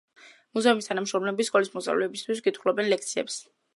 მუზეუმის თანამშრომლები სკოლის მოსწავლეებისთვის კითხულობენ ლექციებს.